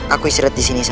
aku israt di sini saja